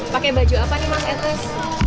pakai baju apa nih mas edrus